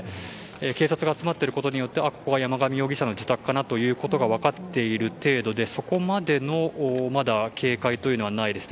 警察が集まっていることによってここが山上容疑者の自宅かなということが分かっている程度でそこまでの警戒というのはまだないです。